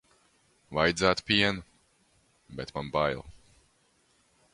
Vajadzētu pienu, bet man bail.